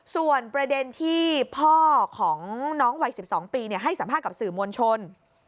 ส่วนประเด็นที่พ่อของน้องวัย๑๒ปีให้สัมภาษณ์กับสื่อมวลชน